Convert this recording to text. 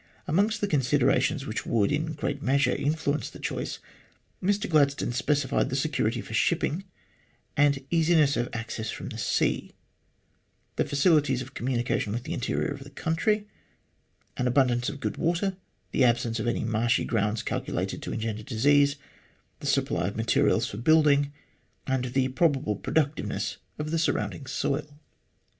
Amongst the considerations which would, in a great measure, influence the choice, Mr Gladstone specified the security for shipping and easiness of access from the sea ; the facilities of com munication with the interior of the country ; an abundance of good water ; the absence of any marshy grounds calculated to engender disease; the supply of materials for building and the probable productiveness of the surrounding soil.